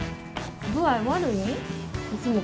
具合悪いん？